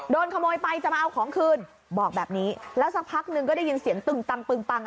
โดนขโมยไปจะมาเอาของคืนบอกแบบนี้แล้วสักพักหนึ่งก็ได้ยินเสียงตึงตังตึงปัง